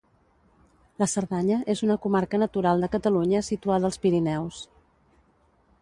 La Cerdanya és una comarca natural de Catalunya situada als Pirineus.